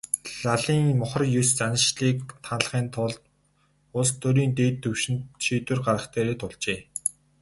Лалын мухар ес заншлыг халахын тулд улс төрийн дээд түвшинд шийдвэр гаргах дээрээ тулжээ.